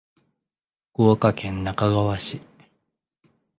福岡県那珂川市